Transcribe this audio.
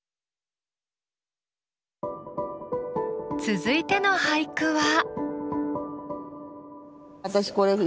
続いての俳句は？